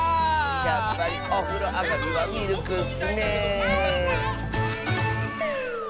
やっぱりおふろあがりはミルクッスねえ。